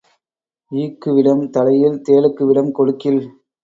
ஈக்கு விடம் தலையில் தேளுக்கு விடம் கொடுக்கில்.